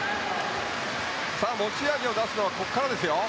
持ち味を出すのはここからですよ。